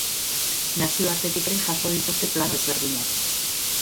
Nazioartetik ere jaso dituzte plano ezberdinak.